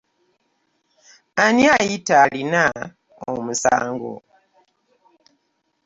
Ani ayita alina omusango .